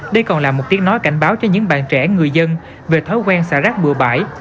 đây còn là một tiếng nói cảnh báo cho những bạn trẻ người dân về thói quen xả rác bừa bãi